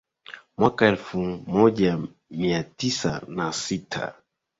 mwaka elfu moja mia tisa na sita